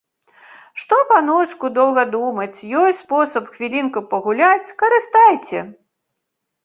Што, паночку, доўга думаць, ёсць спосаб хвілінку пагуляць, карыстайце.